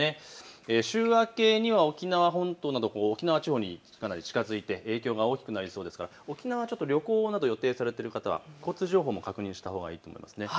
週明けには沖縄本島など沖縄地方にかなり近づいて影響が大きくなりそうですから沖縄旅行など予定されている方は交通情報も確認したほうがいいですね。